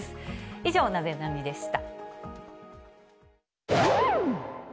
以上、ナゼナニっ？でした。